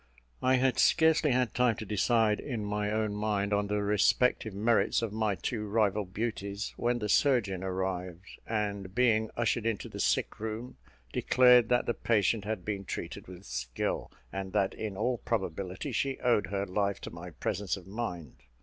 I had scarcely had time to decide in my own mind on the respective merits of my two rival beauties when the surgeon arrived; and, being ushered into the sick room, declared that the patient had been treated with skill, and that in all probability she owed her life to my presence of mind.